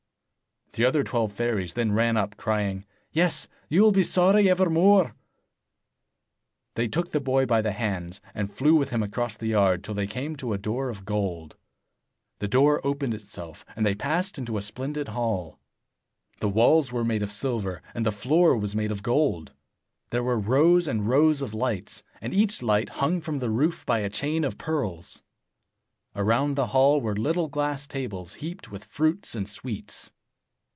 The other twelve fairies then ran up crying, "Yes, you will be sorry evermore." They took the boy by the hands, and flew with him across the yard, till they came to a door of gold. The door opened itself, and they passed into a splendid hall. The walls were made of silver, and the floor was made of gold. There were rows and rows of lights ; and each light hung from the roof by a chain of pearls. Around the hall were little glass tables heaped with fruits and sweets.